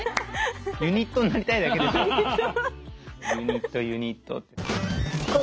ユニットになりたいだけでしょ。